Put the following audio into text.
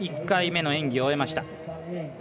１回目の演技、終えました。